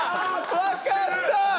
わかった！